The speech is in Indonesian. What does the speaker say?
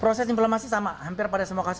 proses inflamasi sama hampir pada semua kaki ya kan ya